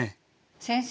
先生